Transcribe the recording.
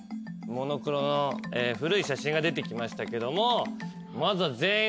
モノクロの古い写真が出てきましたけどもまずは。